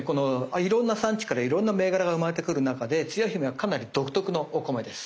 いろんな産地からいろんな銘柄が生まれてくる中でつや姫はかなり独特のお米です。